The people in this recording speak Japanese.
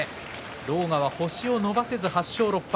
狼雅は星を伸ばせず８勝６敗。